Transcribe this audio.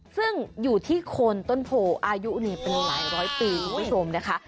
ซึ่งอยู่ที่โคนต้นโพอายุเป็นหลายร้อยปีคุณผู้ชมนะคะ